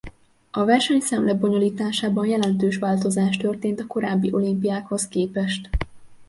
A versenyszám lebonyolításában jelentős változás történt a korábbi olimpiákhoz képest.